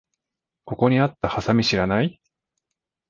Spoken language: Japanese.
ここにあったハサミ知らない？